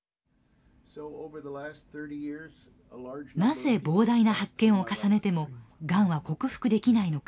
なぜ膨大な発見を重ねてもがんは克服できないのか。